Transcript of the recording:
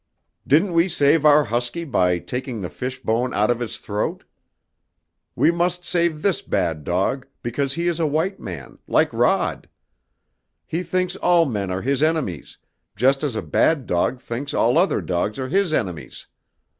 "Didn't we save our husky by taking the fish bone out of his throat? We must save this bad dog, because he is a white man, like Rod. He thinks all men are his enemies, just as a bad dog thinks all other dogs are his enemies.